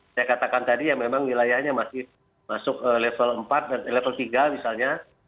saya katakan tadi ya memang wilayahnya masih masuk level empat dan level tiga misalnya